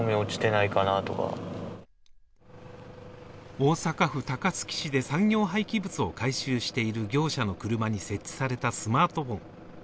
大阪府高槻市で産業廃棄物を回収している業者の車に設置されたスマートフォン。